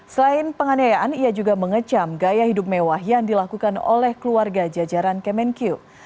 selain penganiayaan ia juga mengecam gaya hidup mewah yang dilakukan oleh keluarga jajaran kemenkyu